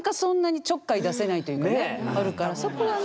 そこはね。